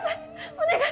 お願い。